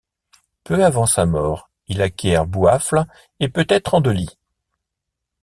Peu avant sa mort, il acquiert Bouafles et peut-être Andely.